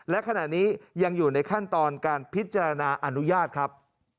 และขณะนี้ยังอยู่ในขั้นตอนการพิจารณาอนุญาตครับ